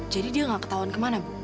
jadi dia gak ketahuan kemana bu